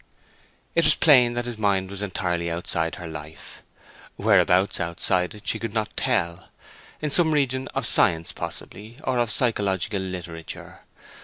It was plain that his mind was entirely outside her life, whereabouts outside it she could not tell; in some region of science, possibly, or of psychological literature.